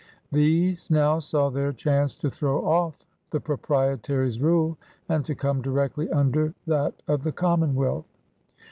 These now saw their chance to throw oflf the Proprietary's rule and to come directly under that of the Commonwealth.